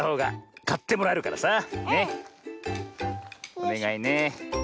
おねがいね。